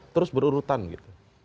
terus berurutan gitu